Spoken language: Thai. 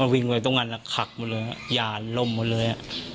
มันวิ่งไปตรงนั้นคักหมดเลยหย่านล่มหมดเลย